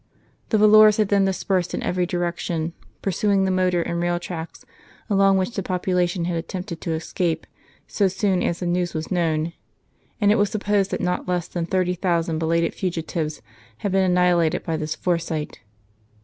The volors had then dispersed in every direction, pursuing the motor and rail tracks along which the population had attempted to escape so soon as the news was known; and it was supposed that not less than thirty thousand belated fugitives had been annihilated by this foresight.